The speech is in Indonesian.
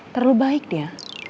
terlalu baik dia